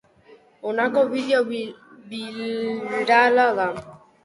Honakoa bideo birala da.